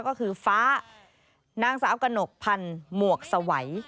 ก็คือฟ้านางสาวกระหนกพันธ์หมวกสวัย